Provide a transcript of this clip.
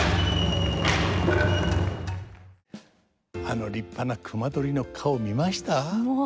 あの立派な隈取りの顔見ました？